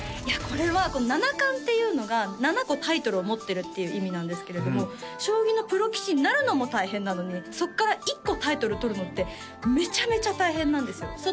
いやこれは七冠っていうのが７個タイトルを持ってるっていう意味なんですけれども将棋のプロ棋士になるのも大変なのにそこから１個タイトル取るのってめちゃめちゃ大変なんですよ